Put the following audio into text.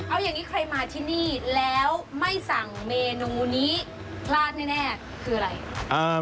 เอาอย่างนี้ใครมาที่นี่แล้วไม่สั่งเมนูนี้พลาดแน่คืออะไร